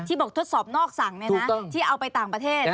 บอกทดสอบนอกสั่งที่เอาไปต่างประเทศ